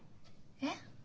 えっ？